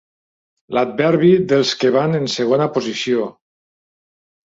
L'adverbi dels que van en segona posició.